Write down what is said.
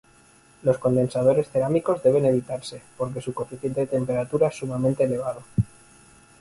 Los condensadores cerámicos deben evitarse, porque su coeficiente de temperatura es sumamente elevado.